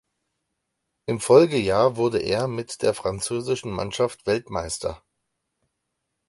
Im Folgejahr wurde er mit der französischen Mannschaft Weltmeister.